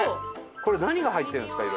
これ何が入ってるんですか？